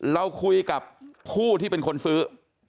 เราคุยกับผู้ที่เป็นคนซื้อ